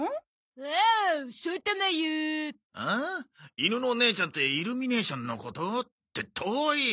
犬のねーちゃんってイルミネーションのこと？って遠いよ！